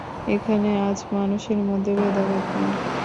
এখানে আজ মানুষের মধ্যে ভেদাভেদ নেই।